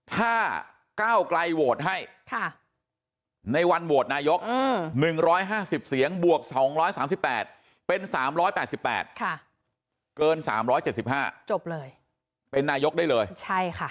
ถ้าก้าวกลัยโหวดให้ในวันโหวดนายก๑๕๐เสียงบวก๒๓๘เป็น๓๘๘เกิน๓๗๕เป็นนายกได้เลย